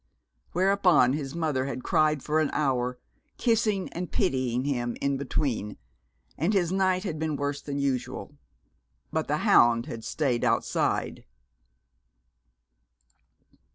Whereupon his mother had cried for an hour, kissing and pitying him in between, and his night had been worse than usual. But the hound had stayed outside.